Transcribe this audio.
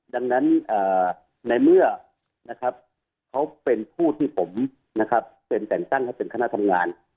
ดังนั้นในเมื่อเขาเป็นผู้ที่ผมเป็นแต่งตั้งให้เป็นคณะทำงาน